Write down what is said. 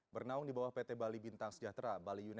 bernaung di bawah pt bali bintang sejahtera